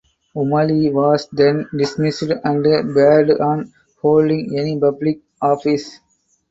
Umali was then dismissed and bared on holding any public office.